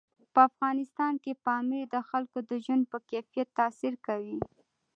په افغانستان کې پامیر د خلکو د ژوند په کیفیت تاثیر کوي.